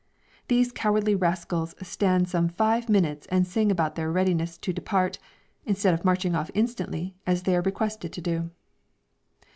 These cowardly rascals stand some five minutes and sing about their readiness to depart, instead of marching off instantly, as they are requested to do.